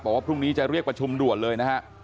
บอกว่าพรุ่งนี้จะเรียกประชุมด่วนเลยนะฮะ